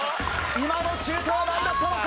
今のシュートは何だったのか？